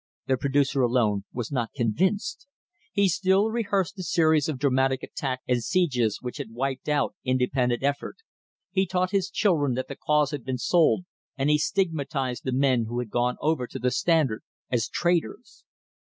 The producer alone was not "con vinced." He still rehearsed the series of dramatic attacks and sieges which had wiped out independent effort. He taught his children that the cause had been sold, and he stigmatised the men who had gone over to the Standard as traitors.